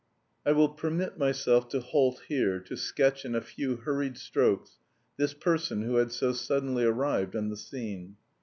V I will permit myself to halt here to sketch in a few hurried strokes this person who had so suddenly arrived on the scene.